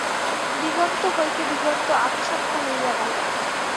দিগন্ত হইতে দিগন্ত আচ্ছন্ন হইয়া গেল।